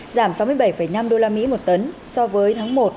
giảm sáu mươi bảy năm usd một tấn so với tháng một